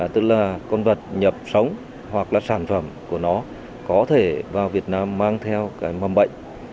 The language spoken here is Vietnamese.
tức là con vật nhập sống hoặc là sản phẩm của nó có thể vào việt nam mang theo cái mầm bệnh